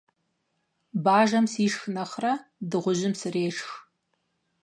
Бажэм сишх нэхърэ дыгъужьым срешх.